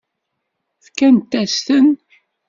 Fkant-as-ten.